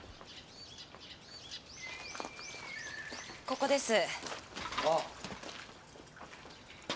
ここです。